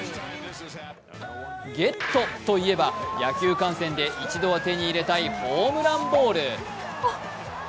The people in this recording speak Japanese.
ゲットといえば、野球観戦で一度は手に入れたいホームランボール。